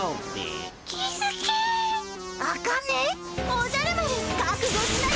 おじゃる丸かくごしなよ！